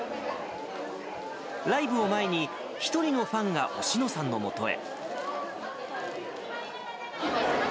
ライブを前に、１人のファンがおしのさんのもとへ。